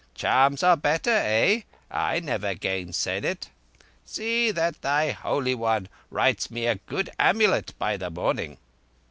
Charms are better, eh? I never gainsaid it. See that thy Holy One writes me a good amulet by the morning."